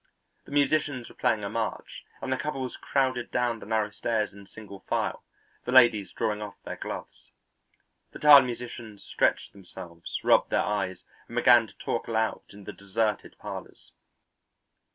The musicians were playing a march, and the couples crowded down the narrow stairs in single file, the ladies drawing off their gloves. The tired musicians stretched themselves, rubbed their eyes, and began to talk aloud in the deserted parlours.